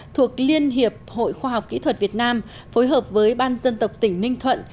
thuộc liên hiệp hội khoa học kỹ thuật việt nam phối hợp với ban dân tộc tỉnh ninh thuận